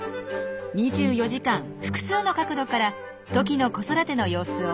２４時間複数の角度からトキの子育ての様子を追います。